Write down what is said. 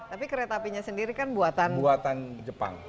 tapi kereta apinya sendiri kan buatan buatan jepang